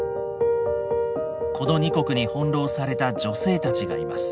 この二国に翻弄された女性たちがいます。